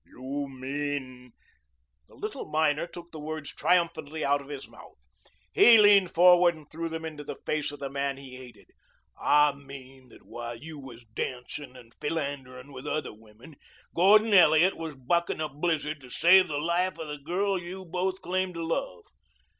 "You mean " The little miner took the words triumphantly out of his mouth. He leaned forward and threw them into the face of the man he hated. "I mean that while you was dancin' and philanderin' with other women, Gordon Elliot was buckin' a blizzard to save the life of the girl you both claimed to love.